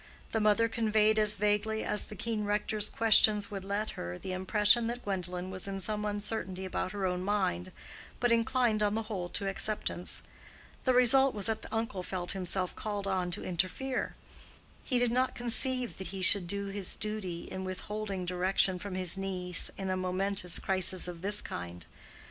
The mother conveyed as vaguely as the keen rector's questions would let her the impression that Gwendolen was in some uncertainty about her own mind, but inclined on the whole to acceptance. The result was that the uncle felt himself called on to interfere; he did not conceive that he should do his duty in witholding direction from his niece in a momentous crisis of this kind.